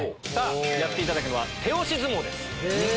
やっていただくのは手押し相撲です。